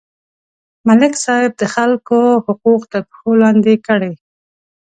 ملک صاحب د خلکو حقوق تر پښو لاندې کړي.